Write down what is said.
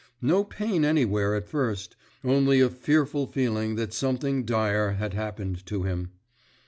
No pain anywhere at first; only a fearful feeling that something dire had happened to him.